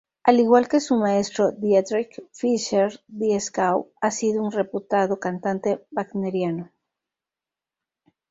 Al igual que su maestro Dietrich Fischer-Dieskau, ha sido un reputado cantante wagneriano.